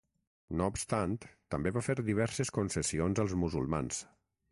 No obstant també va fer diverses concessions als musulmans.